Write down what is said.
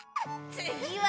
つぎは！